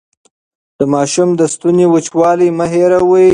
د ماشوم د ستوني وچوالی مه هېروئ.